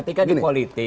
ketika di politik